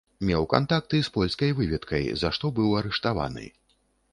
Меў кантакты з польскай выведкай, за што быў арыштаваны.